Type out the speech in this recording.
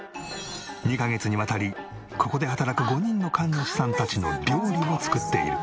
２カ月にわたりここで働く５人の神主さんたちの料理を作っている。